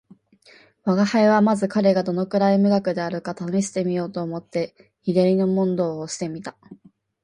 吾輩はまず彼がどのくらい無学であるかを試してみようと思って左の問答をして見た